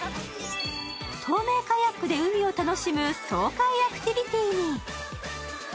透明カヤックで海を楽しむ爽快アクティビティー。